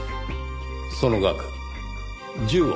その額１０億。